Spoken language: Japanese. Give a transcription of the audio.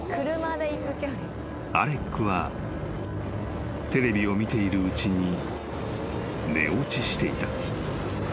［アレックはテレビを見ているうちに寝落ちしていた］